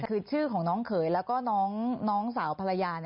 คือชื่อของน้องเขยแล้วก็น้องสาวภรรยา